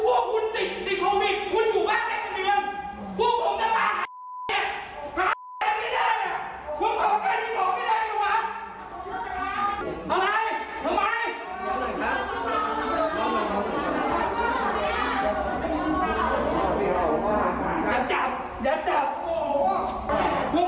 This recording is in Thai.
ทุกคนเชี่ยวว่าคุณติดติดโควิดคุณอยู่บ้านใกล้กันเดียว